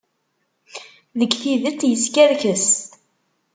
Deg tidet, yeskerkes.